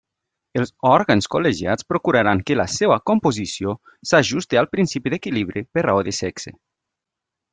Els òrgans col·legiats procuraran que la seua composició s'ajuste al principi d'equilibri per raó de sexe.